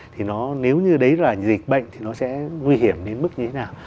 thì nó nếu như đấy là dịch bệnh thì nó sẽ nguy hiểm đến mức như thế nào